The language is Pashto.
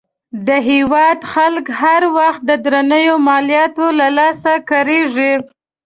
د هېواد خلک هر وخت د درنو مالیاتو له لاسه کړېږي.